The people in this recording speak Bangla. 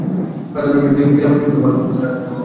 প্রার্থনা করি শিলা মাসির মতো ভালো মহিলার আত্মা স্বর্গ পায়।